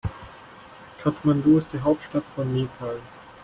Kathmandu ist die Hauptstadt von Nepal.